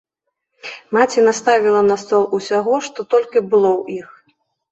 Маці наставіла на стол усяго, што толькі было ў іх.